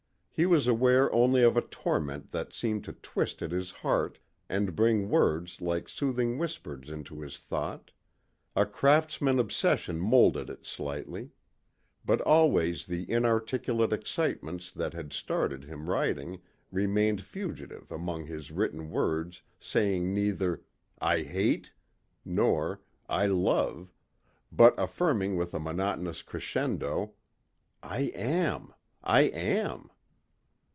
He was aware only of a torment that seemed to twist at his heart and bring words like soothing whispers into his thought. A craftsman obsession moulded it slightly. But always the inarticulate excitements that had started him writing remained fugitive among his written words saying neither "I hate," nor "I love," but affirming with a monotonous crescendo, "I am. I am!"